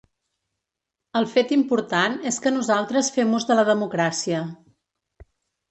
El fet important és que nosaltres fem ús de la democràcia.